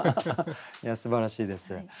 いやすばらしいです。